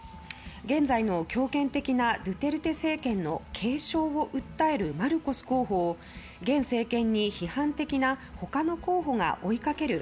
現在の強権的なドゥテルテ政権の継承を訴えるマルコス候補を現政権に批判的な他の候補が追いかける